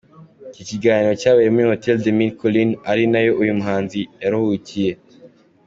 Iki kiganiro cyabereye muri Hotel The Mille Collines, ari naho uyu muhanzi yaruhukiye.